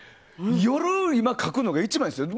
夜、今書くのが一番ですよ。